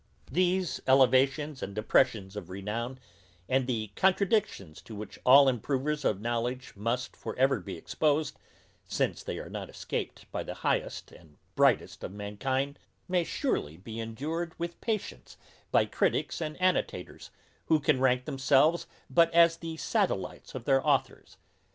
These elevations and depressions of renown, and the contradictions to which all improvers of knowledge must for ever be exposed, since they are not escaped by the highest and brightest of mankind, may surely be endured with patience by criticks and annotators, who can rank themselves but as the satellites of their authours.